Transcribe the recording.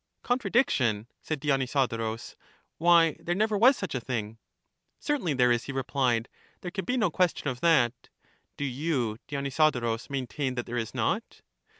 Contradiction! said Dionysodorus; why, there never was such a thing. Certainly there is, he replied ; there can be no ques tion of that. Do you, Dionysodorus, maintain that there is not?